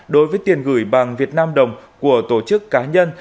đối với tiền gửi bằng việt nam đồng của tổ chức cá nhân